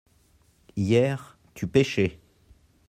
hier tu pêchais.